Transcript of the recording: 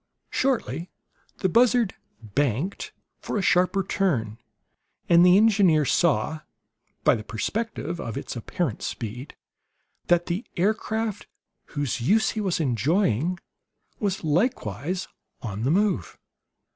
Shortly the buzzard "banked" for a sharper turn; and the engineer saw, by the perspective of its apparent speed, that the aircraft whose use he was enjoying was likewise on the move.